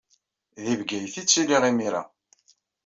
Deg Bgayet ay ttiliɣ imir-a.